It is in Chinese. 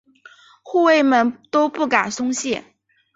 护卫们都不敢松懈。